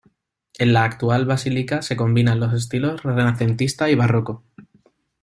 En la actual basílica se combinan los estilos renacentista y barroco.